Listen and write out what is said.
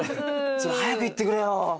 それ早く言ってくれよ。